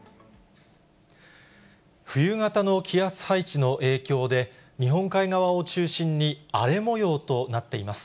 冬型の気圧配置の影響で、日本海側を中心に荒れもようとなっています。